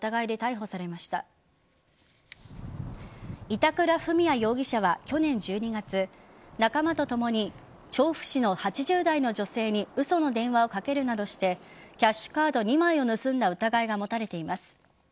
板倉史也容疑者は去年１２月仲間とともに調布市の８０代の女性に嘘の電話をかけるなどしてキャッシュカード２枚を盗んだ疑いが持たれています。